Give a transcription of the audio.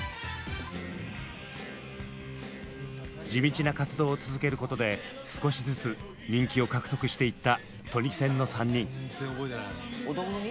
地道な活動を続けることで少しずつ人気を獲得していったトニセンの３人。